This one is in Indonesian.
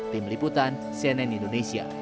tim liputan cnn indonesia